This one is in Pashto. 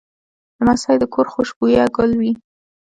لمسی د کور خوشبویه ګل وي.